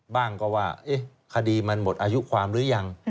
บ้างก็ว่าคดีมันหมดอายุความหรือยัง